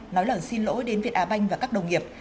nói lời xin lỗi đến việt á banh và các đồng nghiệp